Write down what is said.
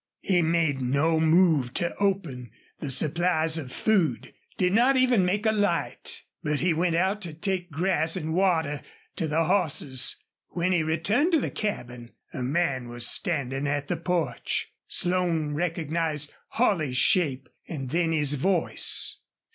He made no move to open the supplies of food, did not even make a light. But he went out to take grass and water to the horses. When he returned to the cabin a man was standing at the porch. Slone recognized Holley's shape and then his voice.